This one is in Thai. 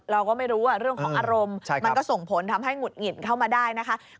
เราก็ไม่รู้เรื่องของอารมณ์มันก็ส่งผลทำให้หงุดหงิดเข้ามาได้นะคะ